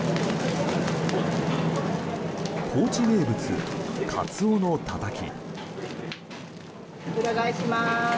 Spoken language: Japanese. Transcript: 高知名物、カツオのたたき。